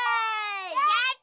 やった！